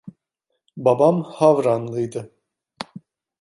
Babam Havranlıydı.